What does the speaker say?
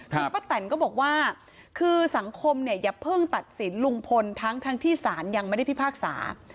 คุณป้าแตนก็บอกว่าคือสังคมเนี่ยอย่าเพิ่งตัดสินลุงพลทั้งที่สารยังไม่ได้พิพากษา